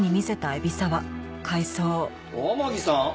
天樹さん？